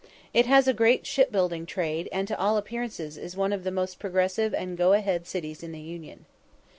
It has a great shipbuilding trade, and to all appearance is one of the most progressive and go ahead cities in the Union.